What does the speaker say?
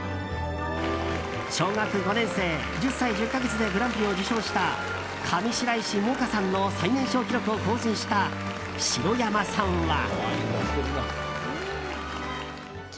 小学５年生、１０歳１０か月でグランプリを受賞した上白石萌歌さんの最年少記録を更新した白山さんは。